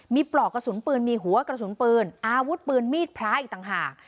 มีปลอกกระสุนปืนมีหัวกระสุนปืนอาวุธปืนมีดพระอีกต่างหาก